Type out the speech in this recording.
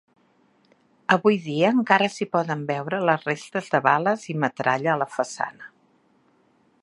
Avui dia encara s'hi poden veure les restes de bales i metralla a la façana.